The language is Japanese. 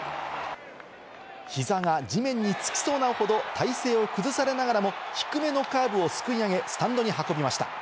膝が地面につきそうなほど体勢を崩されながらも、低めのカーブをすくい上げスタンドに運びました。